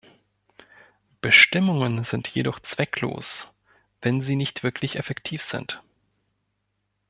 Bestimmungen sind jedoch zwecklos, wenn sie nicht wirklich effektiv sind.